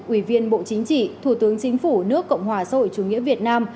ủy viên bộ chính trị thủ tướng chính phủ nước cộng hòa xã hội chủ nghĩa việt nam